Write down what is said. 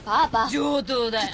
上等だよ。